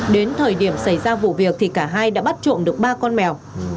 đến thời điểm xảy ra vụ việc thì cả hai đã bắt trộm được ba con mèo